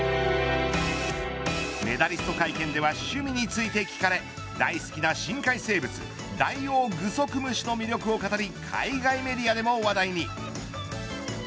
メダリスト会見では趣味について聞かれ大好きな深海生物ダイオウグソクムシの魅力を語り海外メディアでも話題に。